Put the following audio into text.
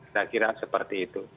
saya kira seperti itu